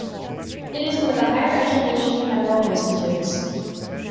It is one of the higher education federal institutes.